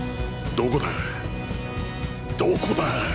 どこだ！？